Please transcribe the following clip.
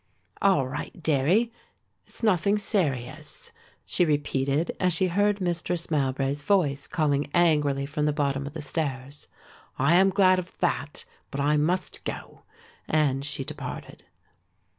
"All right, dearie, it's nothing serious?" she repeated as she heard Mistress Mowbray's voice calling angrily from the bottom of the stairs. "I am glad of that, but I must go," and she departed.